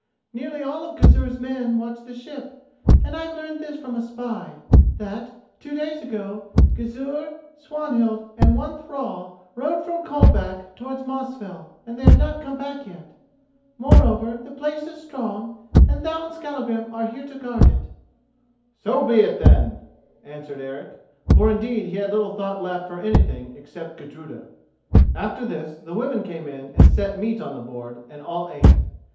"Nearly all of Gizur's men watch the ship; and I have learned this from a spy, that, two days ago, Gizur, Swanhild, and one thrall rode from Coldback towards Mosfell, and they have not come back yet. Moreover, the place is strong, and thou and Skallagrim are here to guard it." "So be it, then," answered Eric, for indeed he had little thought left for anything, except Gudruda. After this the women came in and set meat on the board, and all ate.